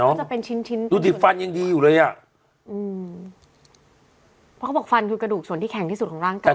มันจะเป็นชิ้นชิ้นดูดิฟันยังดีอยู่เลยอ่ะอืมเพราะเขาบอกฟันคือกระดูกส่วนที่แข็งที่สุดของร่างกาย